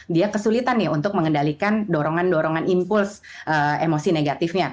dia kesulitan ya untuk mengendalikan dorongan dorongan impuls emosi negatifnya